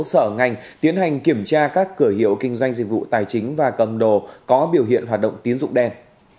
sở ngành tiến hành kiểm tra các cửa hiệu kinh doanh dịch vụ tài chính và cầm đồ có biểu hiện hoạt động tiến dụng đen